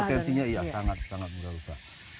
potensinya sangat berusaha